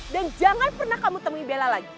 dan jangan pernah kamu temui bella lagi